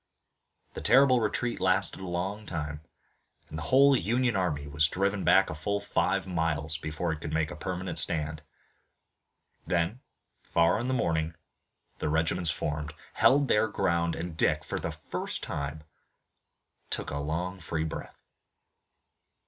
The terrible retreat lasted a long time, and the whole Union army was driven back a full five miles before it could make a permanent stand. Then, far in the morning, the regiments reformed, held their ground, and Dick, for the first time, took a long free breath.